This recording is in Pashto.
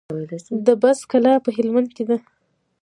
د بست کلا په هلمند کې ده